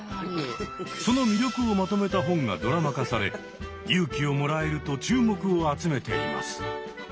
その魅力をまとめた本がドラマ化され勇気をもらえると注目を集めています。